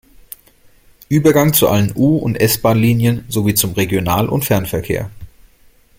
Übergang zu allen U- und S-Bahnlinien sowie zum Regional- und Fernverkehr.